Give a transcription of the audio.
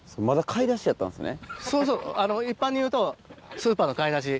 そうそうあの一般に言うとスーパーの買い出し。